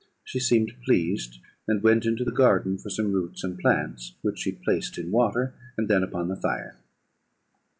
She seemed pleased, and went into the garden for some roots and plants, which she placed in water, and then upon the fire.